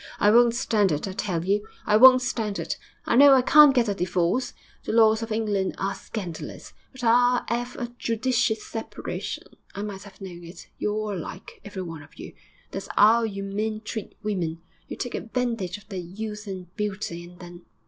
I won't stand it, I tell you; I won't stand it. I know I can't get a divorce the laws of England are scandalous but I'll 'ave a judicious separation.... I might have known it, you're all alike, every one of you; that's 'ow you men treat women. You take advantage of their youth and beauty, and then....